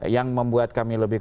yang membuat kami leluhur